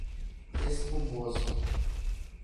Espumoso